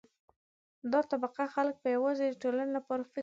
دا طبقه خلک به یوازې د ټولنې لپاره فکر کوي.